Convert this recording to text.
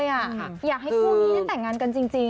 อยากให้คู่นี้ได้แต่งงานกันจริง